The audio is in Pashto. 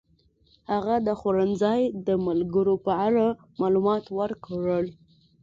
هغه د خوړنځای د ملګرو په اړه معلومات ورکړل.